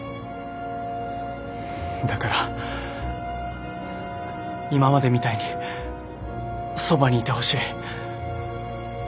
だから今までみたいにそばにいてほしい。